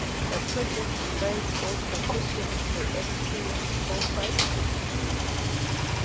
The project invites all sufficiently experienced developers to contribute.